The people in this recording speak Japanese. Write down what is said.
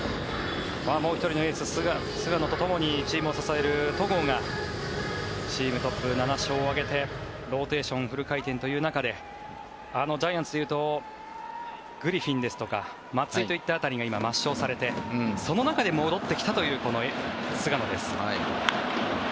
もう１人のエース、菅野とともにチームを支える戸郷がチームトップ７勝を挙げてローテーションフル回転という中でジャイアンツでいうとグリフィンですとか松井といった辺りが今、抹消されてその中で戻ってきたという菅野です。